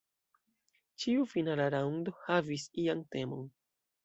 Ĉiu finala raŭndo havis ian temon.